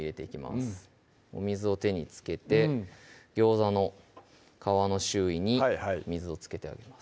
うんお水を手につけてギョーザの皮の周囲に水をつけてあげます